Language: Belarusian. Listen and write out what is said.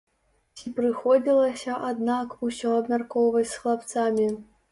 Ці прыходзілася, аднак, усё абмяркоўваць з хлапцамі?